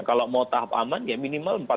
kalau mau tahap aman ya minimal